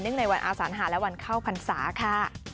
ในวันอาสานหาและวันเข้าพรรษาค่ะ